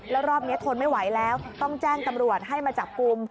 แล้วรอบนี้ทนไม่ไหวแล้วต้องแจ้งตำรวจให้มาจับกลุ่ม